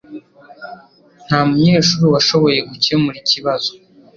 Nta munyeshuri washoboye gukemura ikibazo